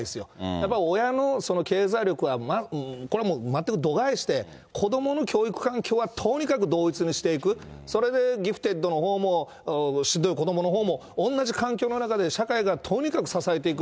やっぱり親の経済力は、これは全く度外視で、子どもの教育環境はとにかく同一にしていく、それでギフテッドのほうも、しんどい子どものほうも同じ環境の中で社会がとにかく支えていく